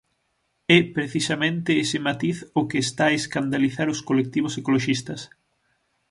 É precisamente ese matiz o que está a escandalizar os colectivos ecoloxistas.